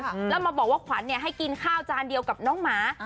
แล้วมาบอกว่าขวัญเนี่ยให้กินข้าวจานเดียวกับน้องหมา